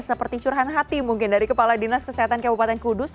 seperti curhan hati mungkin dari kepala dinas kesehatan kabupaten kudus